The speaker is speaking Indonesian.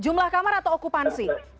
jumlah kamar atau okupansi